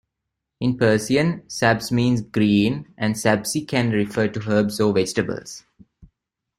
In Persian, sabz means green, and sabzi can refer to herbs or vegetables.